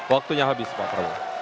waktunya habis pak perawang